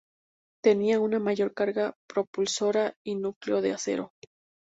Tenía una mayor carga propulsora y un núcleo de acero.